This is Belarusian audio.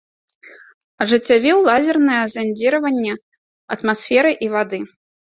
Ажыццявіў лазернае зандзіраванне атмасферы і вады.